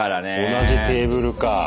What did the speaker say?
同じテーブルか。